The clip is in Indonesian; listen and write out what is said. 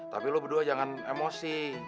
tapi lo berdua jangan emosi